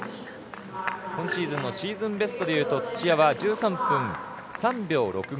今シーズンのシーズンベストでいうと土屋は１３分３秒６５。